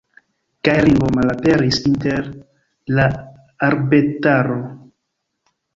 Kaj Ringo malaperis inter la arbetaro.